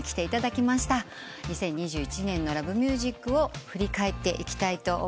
２０２１年の『Ｌｏｖｅｍｕｓｉｃ』を振り返っていきたいと思います。